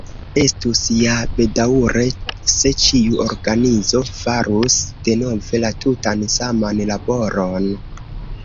Estus ja bedaŭre, se ĉiu organizo farus denove la tutan saman laboron.